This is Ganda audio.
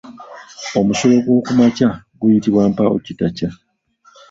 Omusulo gw’okumakya guyitibwa Mpaawokitakya.